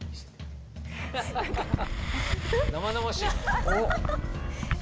生々しいね。